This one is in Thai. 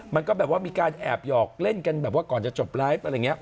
มันก็แบบว่ามีการแอบหยอกเล่นกันแบบว่าก่อนจะจบไลฟ์อะไรอย่างนี้